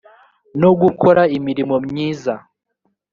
no gukora imirimo myiza